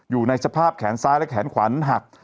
อยู่ในสภาพแขนซ้ายและแขนขวานหัก